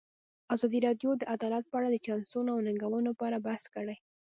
ازادي راډیو د عدالت په اړه د چانسونو او ننګونو په اړه بحث کړی.